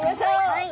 はい。